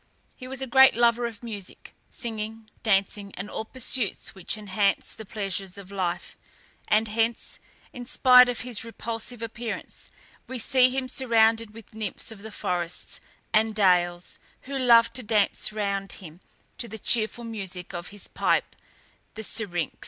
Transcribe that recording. He was a great lover of music, singing, dancing, and all pursuits which enhance the pleasures of life; and hence, in spite of his repulsive appearance, we see him surrounded with nymphs of the forests and dales, who love to dance round him to the cheerful music of his pipe, the syrinx.